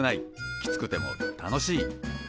きつくても楽しい！